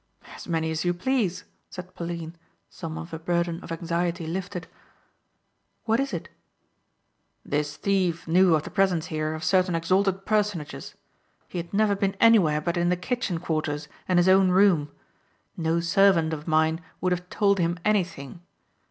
"As many as you please," said Pauline, some of her burden of anxiety lifted. "What is it?" "This thief knew of the presence here of certain exalted personages. He had never been anywhere but in the kitchen quarters and his own room. No servant of mine would have told him anything.